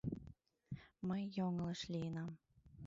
Мый йоҥылыш лийынам: